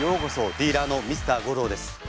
ディーラーのＭｒ．ゴローです。